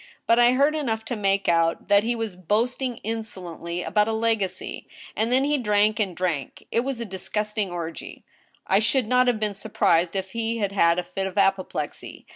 . but I heard enough to make out that he was boasting insolently about a legacy. And then he drank and drank, ... it was a disgusting oigy. I should not have been surprised if he had had a fit of apoplexy.